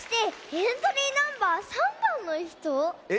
エントリーナンバー３ばん？